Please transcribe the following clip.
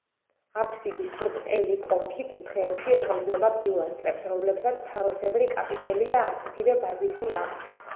აფსიდის ბრტყელი კონქი კუთხეებში ეყრდნობა პილასტრებს, რომლებსაც თაროსებრი კაპიტელი და ასეთივე ბაზისი აქვს.